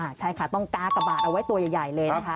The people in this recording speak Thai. ใช่ค่ะต้องกากบาทเอาไว้ตัวใหญ่เลยนะคะ